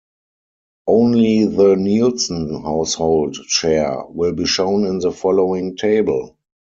Only the Nielsen household share will be shown in the following table.